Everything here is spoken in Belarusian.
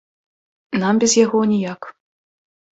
Нам без яго ніяк.